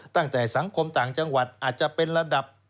สังคมต่างจังหวัดอาจจะเป็นระดับ